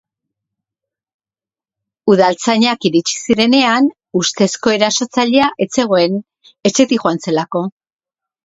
Udaltzainak iritsi zirenean, ustezko erasotzailea ez zegoen, etxetik joan zelako.